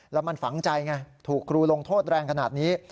แล้วมันฝังใจไงถูกครูลงโทษแรงขนาดนี้